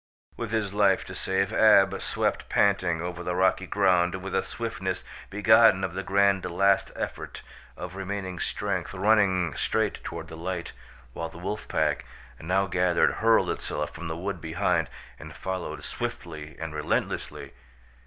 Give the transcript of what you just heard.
With his life to save, Ab swept panting over the rocky ground with a swiftness begotten of the grand last effort of remaining strength, running straight toward the light, while the wolf pack, now gathered, hurled itself from the wood behind and followed swiftly and relentlessly.